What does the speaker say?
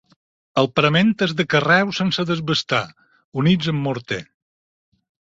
El parament és de carreus sense desbastar units amb morter.